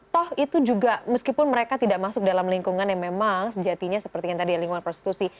toh itu juga meskipun mereka tidak masuk dalam lingkungan yang memang sejatinya seperti yang tadi lingkungan prostitusi